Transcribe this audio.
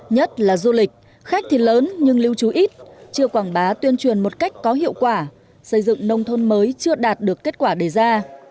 nhất là du lịch khách thì lớn nhưng lưu trú ít chưa quảng bá tuyên truyền một cách có hiệu quả xây dựng nông thôn mới chưa đạt được kết quả đề ra